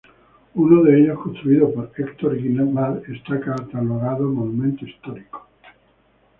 Uno de ellos, construido por Hector Guimard, está catalogado Monumento Histórico.